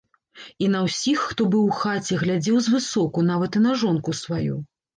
І на ўсіх, хто быў у хаце, глядзеў звысоку, нават і на жонку сваю.